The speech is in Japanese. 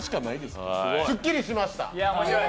すっきりしました。